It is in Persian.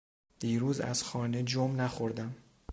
دیروز از خانه جم نخوردم.